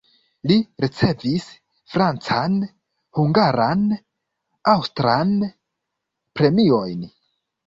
Li ricevis francan, hungaran, aŭstran premiojn.